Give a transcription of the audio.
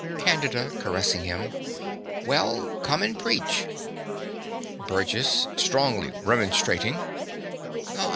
CANDIDA (caressing him). Well, come and preach. BURGESS (strongly remonstrating).